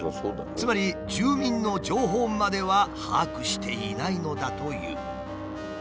つまり住民の情報までは把握していないのだという。